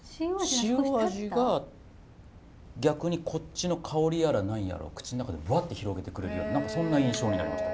塩味が逆にこっちの香りやら何やらを口の中でブワッて広げてくれるような何かそんな印象になりました。